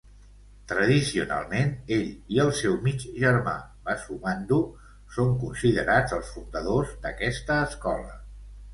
Tradicionalment, ell i el seu mig germà Vasubandhu son considerats els fundadors d'aquesta escola.